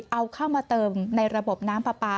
เอาเข้ามาเติมในระบบน้ำปลาปลา